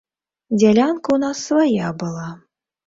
Дзялянка ў нас свая была.